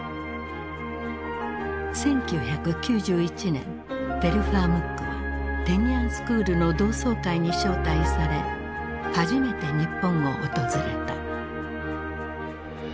１９９１年テルファー・ムックはテニアンスクールの同窓会に招待され初めて日本を訪れた。